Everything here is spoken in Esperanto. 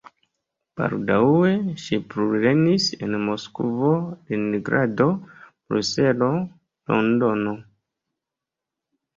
Baldaŭe ŝi plulernis en Moskvo, Leningrado, Bruselo, Londono.